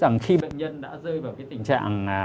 rằng khi bệnh nhân đã rơi vào cái tình trạng